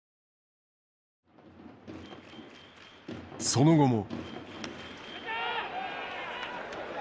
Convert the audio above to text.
その後も。